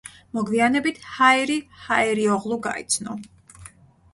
მოგვიანებით ჰაირი ჰაირიოღლუ გაიცნო.